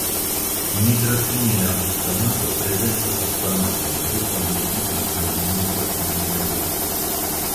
Nitrofenila oktanato prezentas oktanatan grupon ligitan al nitrofenila grupo.